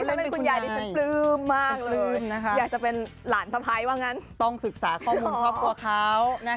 เล่นเป็นคุณใหม่อยากจะเป็นหลานพระภัยว่างั้นต้องศึกษาข้อมูลครอบครัวเขานะคะ